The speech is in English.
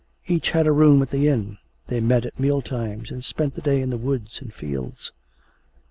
Each had a room at the inn; they met at meal times, and spent the day in the woods and fields.